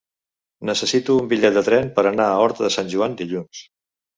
Necessito un bitllet de tren per anar a Horta de Sant Joan dilluns.